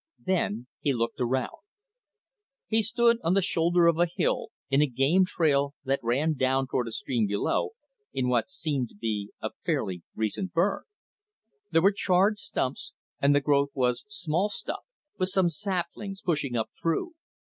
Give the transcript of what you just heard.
Then he looked around. He stood on the shoulder of a hill, in a game trail that ran down toward a stream below, in what seemed to be a fairly recent burn. There were charred stumps, and the growth was small stuff, with some saplings pushing up through.